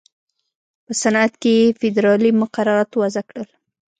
په صنعت کې یې فېدرالي مقررات وضع کړل.